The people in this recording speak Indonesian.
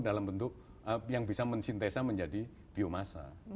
dalam bentuk yang bisa mensintesa menjadi biomasa